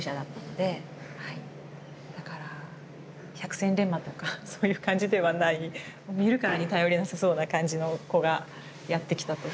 だから百戦錬磨とかそういう感じではない見るからに頼りなさそうな感じの子がやって来たというはい。